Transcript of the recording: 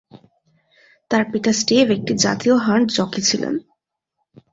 তার পিতা স্টিভ একটি জাতীয় হান্ট জকি ছিলেন।